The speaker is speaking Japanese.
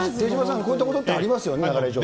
手嶋さん、こういったことってありますよね。